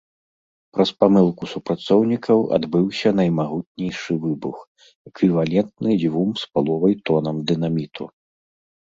Праз памылку супрацоўнікаў адбыўся наймагутнейшы выбух, эквівалентны дзвюм з паловай тонам дынаміту.